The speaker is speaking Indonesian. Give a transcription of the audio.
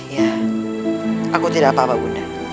ya aku tidak apa apa bunda